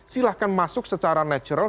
silahkan masuk secara natural